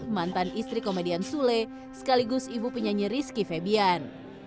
mantan istri komedian sule sekaligus ibu penyanyi rizky febian